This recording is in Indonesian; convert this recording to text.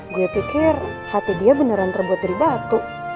gue pikir hati dia beneran terbuat dari batu